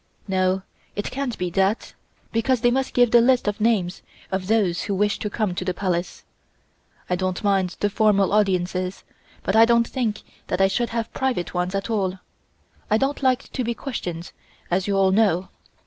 "No, it can't be that, because they must give the list of names of those who wish to come to the Palace. I don't mind the formal audiences, but I don't think that I should have private ones at all. I don't like to be questioned, as you all know.